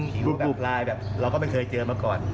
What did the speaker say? รูปรูปลายแบบเราก็ไม่เคยเจอมาก่อน